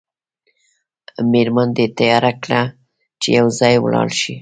میرمن دې تیاره کړه چې یو ځای ولاړ شئ.